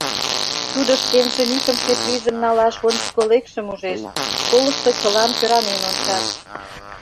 Тудо шкенжым икымше призым налаш ончыко лекшым ужеш, школышто чылан кӧранен ончат.